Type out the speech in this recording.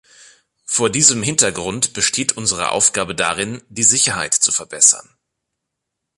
Vor diesem Hintergrund besteht unsere Aufgabe darin, die Sicherheit zu verbessern.